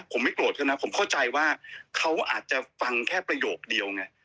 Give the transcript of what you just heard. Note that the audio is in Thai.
ผมไม่โกรธเขานะผมเข้าใจว่าเขาอาจจะฟังแค่ประโยคเดียวไง